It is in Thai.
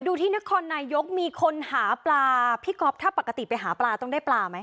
ที่นครนายกมีคนหาปลาพี่ก๊อฟถ้าปกติไปหาปลาต้องได้ปลาไหม